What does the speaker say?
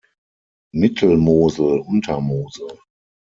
Mittelmosel, Untermosel